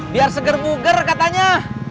biar seger buger katanya